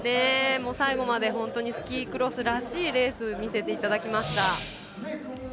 最後までスキークロスらしいレース見せていただきました。